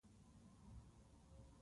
تر پایه یې جوړه ونه کړه.